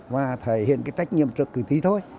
và thể hiện cái trách nhiệm trước cử tri thôi